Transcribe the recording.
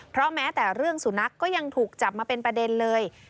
เพราะแม้แต่เรื่องสุนัขก็ยังถูกจับมาเป็นประเด็นเลย